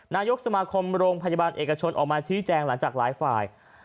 นายกสมาคมโรงพยาบาลเอกชนออกมาชี้แจงหลังจากหลายฝ่าย